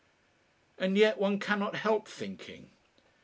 And yet one cannot help thinking!